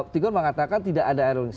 tiga orang mengatakan tidak ada early warning